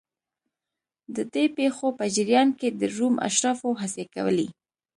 د دې پېښو په جریان کې د روم اشرافو هڅې کولې